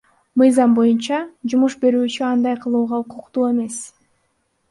Мыйзам боюнча, жумуш берүүчү андай кылууга укуктуу эмес.